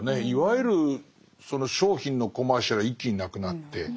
いわゆるその商品のコマーシャルは一気になくなって。